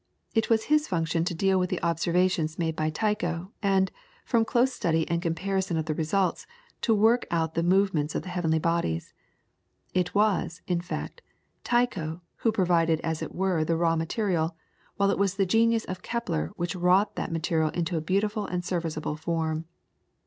It was his function to deal with the observations made by Tycho, and, from close study and comparison of the results, to work out the movements of the heavenly bodies. It was, in fact, Tycho who provided as it were the raw material, while it was the genius of Kepler which wrought that material into a beautiful and serviceable form.